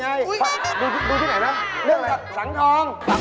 ไอ้ตาป้อนเลย